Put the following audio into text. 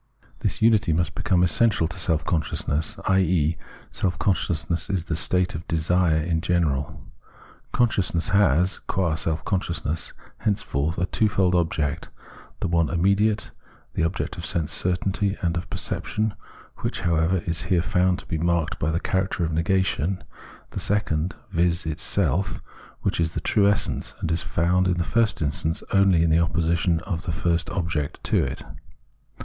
This unity must become essential to self consciousness, i.e. self consciousness is the state of Desire in general. Consciousness has, qua self consciousness, henceforth a twofold object — the one immediate, the object of sense certainty and of percep tion, which, however, is here found to be marked by the character of negation ; the second, viz. itself, which is The Truth of Self certainty 167 the true essence, and is found in the first instance only in the opposition of the first object to it.